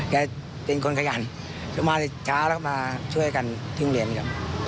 แกเป็นคนขยันมาช้าแล้วก็มาช่วยกันถึงเรียนครับ